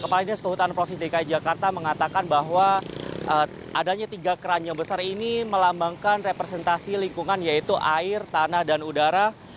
kepala dinas kehutanan provinsi dki jakarta mengatakan bahwa adanya tiga keran yang besar ini melambangkan representasi lingkungan yaitu air tanah dan udara